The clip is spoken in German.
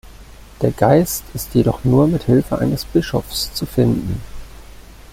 Der Geist ist jedoch nur mit Hilfe eines Bischofs zu finden.